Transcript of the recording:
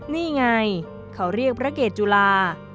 นี่ไงเขาเรียกพระเกตจุฬา